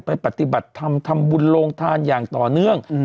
ปฏิบัติธรรมทำบุญโรงทานอย่างต่อเนื่อง